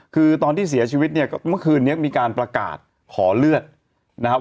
คือตอนที่เสียชีวิตเนี่ยเมื่อคืนนี้มีการประกาศขอเลือดนะครับ